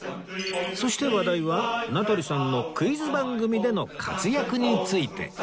そして話題は名取さんのクイズ番組での活躍について